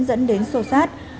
dẫn đến sâu sát